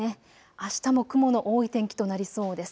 あしたも雲の多い天気となりそうです。